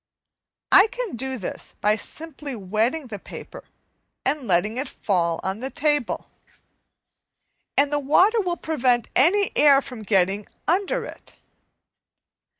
I can do this by simply wetting the paper and letting it fall on the table, and the water will prevent any air from getting under it.